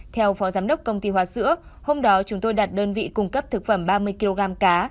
theo phó giám đốc công ty hoa sữa hôm đó chúng tôi đặt đơn vị cung cấp thực phẩm ba mươi kg cá